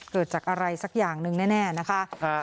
เกิดจากอะไรสักอย่างหนึ่งแน่นะคะ